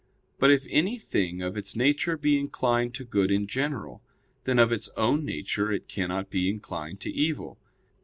But if anything of its nature be inclined to good in general, then of its own nature it cannot be inclined to evil.